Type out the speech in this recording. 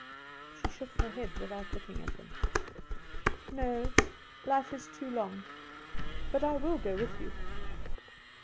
She shook her head without looking at him. "No, life is too long. But I will go with you."